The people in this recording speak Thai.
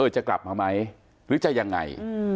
จะกลับมามั้ยจะยังไง